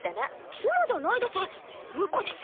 妻じゃないです。